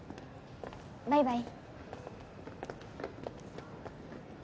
バイバイ。